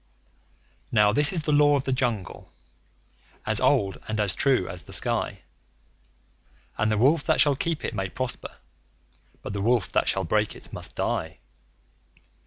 Now this is the Law of the Jungle as old and as true as the sky; And the Wolf that shall keep it may prosper, but the Wolf that shall break it must die.